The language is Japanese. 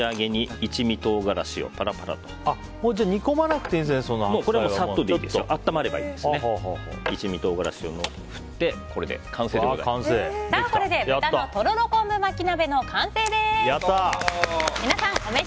一味唐辛子を振ってこれで豚のとろろ昆布巻き鍋の完成です。